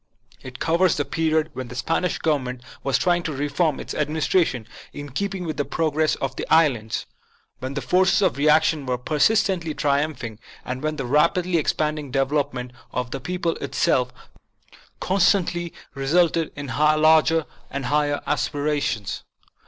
It covers the period when the Spanish Govern ment was trying to reform its administration in keeping with the progress of the islands ; when the forces of reaction were persistently triumphing; and when the rapidly expanding development of the people itself con stantly resulted in larger aspirations.